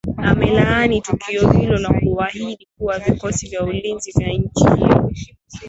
amelaani tukio hilo na kuahidi kuwa vikosi vya ulinzi vya nchi hiyo